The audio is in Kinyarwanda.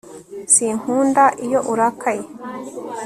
Sinkunda iyo urakaye